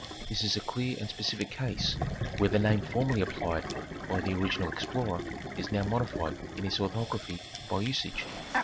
This is a clear and specific case, where the name form ally applied by the original explorer is now modified in its orthography by usage.